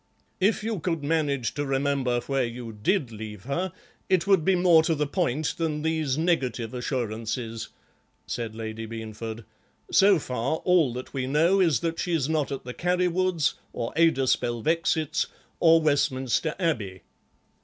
"If you could manage to remember where you did leave her, it would be more to the point than these negative assurances," said Lady Beanford; "so far, all we know is that she is not at the Carrywoods', or Ada Spelvexit's, or Westminster Abbey."